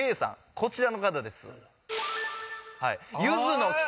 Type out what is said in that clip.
こちらの方です